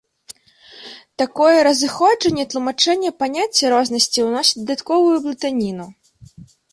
Такое разыходжанне тлумачэння паняцця рознасці ўносіць дадатковую блытаніну.